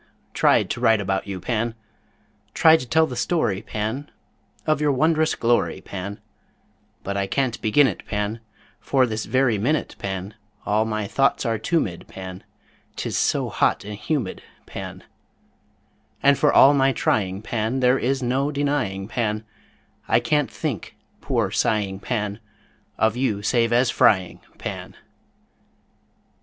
Tried to write about you, Pan. Tried to tell the story, Pan, Of your wondrous glory, Pan; But I can't begin it, Pan, For this very minute, Pan, All my thoughts are tumid, Pan, 'Tis so hot and humid, Pan, And for all my trying, Pan, There is no denying, Pan, I can't think, poor sighing Pan, Of you save as frying, Pan.